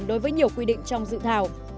đối với nhiều quy định trong dự thảo